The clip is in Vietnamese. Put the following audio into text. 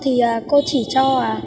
thì cô chỉ cho